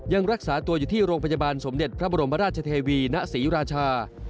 ยังรักษาตัวอยู่ที่โรงพยาบาลสมเด็จพระบรมราชเทวีณศรีราชา